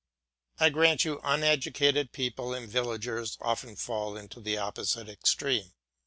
I grant you uneducated people and villagers often fall into the opposite extreme.